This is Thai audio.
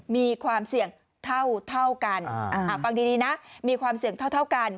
มีความเสี่ยงเท่ากันฟังดีนะมีความเสี่ยงเท่ากัน